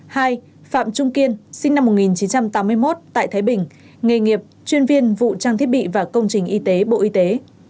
hai phạm trung kiên sinh năm một nghìn chín trăm tám mươi một tại thái bình nghề nghiệp chuyên viên vụ trang thiết bị và công trình y tế bộ y tế